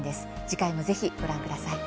次回もぜひご覧ください。